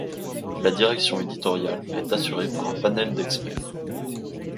La direction éditoriale est assurée par un panel d'experts.